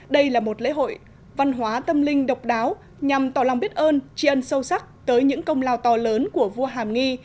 đây là một lễ hội văn hóa tâm linh độc đáo nhằm tỏ lòng biết ơn tri ân sâu sắc tới những công lao to lớn của vua hàm nghi